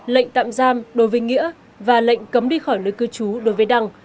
lệnh tạm giam đối với nghĩa và lệnh cấm đi khỏi nơi cư trú đối với đăng